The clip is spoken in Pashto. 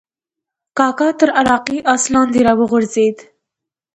کاکا تر عراقي آس لاندې راوغورځېد.